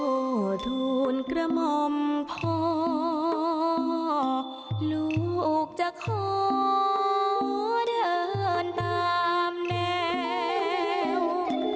ทูลกระหม่อมพ่อลูกจะขอเดินตามแนว